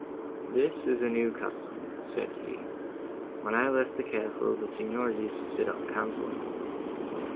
"This is a new custom," said he; "when I left the castle, the Signors used to sit up counselling."